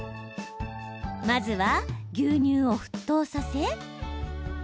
まずは、牛乳を沸騰させ